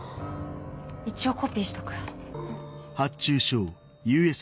一応コピーしとく。